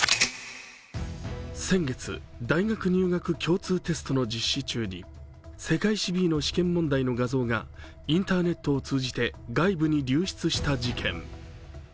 先月、大学入学共通テストの実施中に世界史Ｂの試験問題の画像がインターネットを通じて外部に流出した事件。